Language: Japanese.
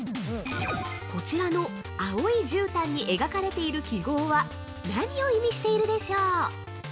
こちらの青いじゅうたんに描かれている記号は何を意味しているでしょう？